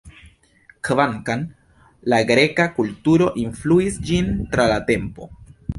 Kvankam la greka kulturo influis ĝin tra la tempo.